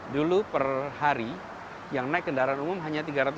dulu per hari yang naik kendaraan umum hanya tiga ratus lima puluh ribu orang